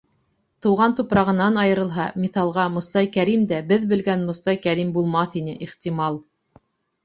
Тыуған тупрағынан айырылһа, миҫалға, Мостай Кәрим дә беҙ белгән Мостай Кәрим булмаҫ ине, ихтимал.